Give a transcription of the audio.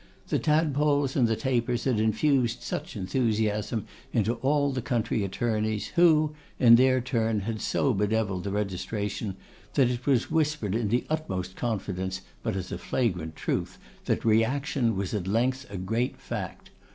The Tadpoles and the Tapers had infused such enthusiasm into all the country attorneys, who, in their turn, had so bedeviled the registration, that it was whispered in the utmost confidence, but as a flagrant truth, that Reaction was at length 'a great fact.